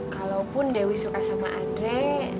kalaupun dewi suka sama andre